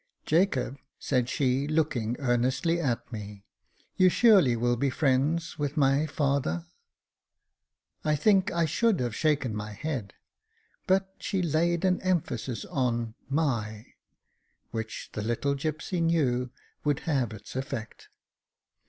" Jacob," said she, looking earnestly at me, " you surely will be friends with my father ?" I think I should have shaken my head, but she laid an emphasis on my, which the little gipsy knew would have its effect.